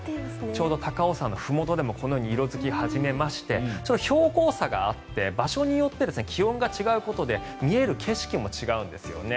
ちょうど高尾山のふもとでもこのように色付き始めまして標高差があって場所によって気温が違うことで見える景色も違うんですね。